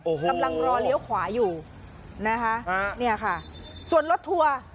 โอ้โหกำลังรอเลี้ยวขวาอยู่นะคะเนี่ยค่ะส่วนรถทัวร์